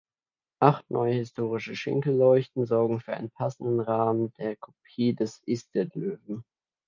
Acht neue historische Schinkel-Leuchten sorgen für einen passenden Rahmen der Kopie des Isted-Löwen.